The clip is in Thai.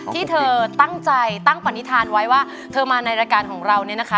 ที่เธอตั้งใจตั้งปณิธานไว้ว่าเธอมาในรายการของเราเนี่ยนะคะ